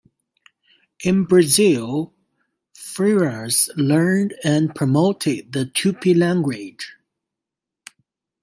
In Brazil, friars learned and promoted the Tupi language.